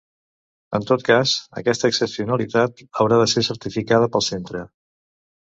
En tot cas, aquesta excepcionalitat haurà de ser certificada pel centre.